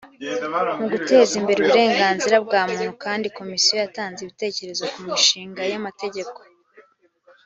mu guteza imbere uburenganzira bwa muntu kandi komisiyo yatanze ibitekerezo ku mishinga y amategeko